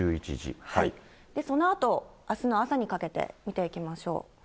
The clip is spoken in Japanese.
そのあとあすの朝にかけて見ていきましょう。